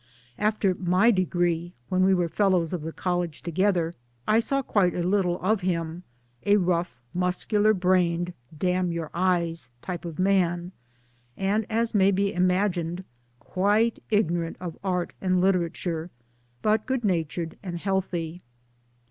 After my degree when we were Fellows of the College together I saw quite a little of him : a rough, mus cular brained, " damn your eyes " type of man, and as may be imagined quite ignorant of art and litera ture, but good natured and healthy.